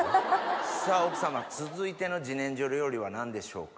さぁ奥様続いての自然薯料理は何でしょうか？